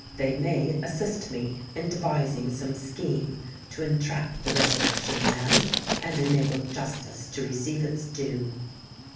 "They may assist me in devising some scheme to entrap the Resurrection Man, and enable justice to receive its due."